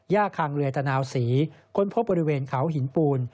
คางเรือตะนาวศรีค้นพบบริเวณเขาหินปูน